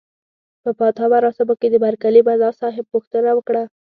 په پاتا مراسمو کې د برکلي ملاصاحب پوښتنه وکړه.